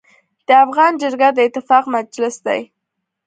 د افغان جرګه د اتفاق مجلس دی.